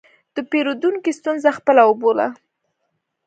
د پیرودونکي ستونزه خپله وبوله.